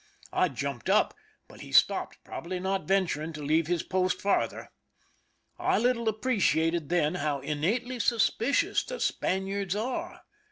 I jumped up, but he stopped, probably not venturing to leave his post farther. I little appreciated then how innately suspicious the Spaniards are.